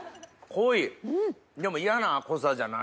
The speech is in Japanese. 濃いでもやな濃さじゃない。